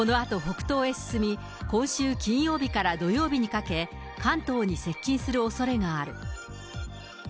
このあと北東へ進み、今週金曜日から土曜日にかけ、関東に接近するおそれがある。